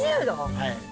はい。